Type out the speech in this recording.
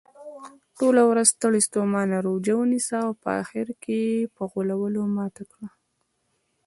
ټوله ورځ ستړي ستوماته روژه ونیسو په اخرکې یې په غولو ماته کړو.